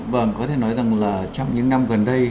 vâng có thể nói rằng là trong những năm gần đây